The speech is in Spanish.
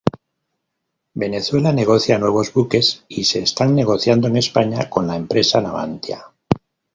Venezuela negocia nuevos buques y se están negociando en España con la empresa Navantia.